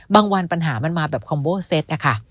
บางวันปัญหามันมาแบบคอมโบเซตนะคะ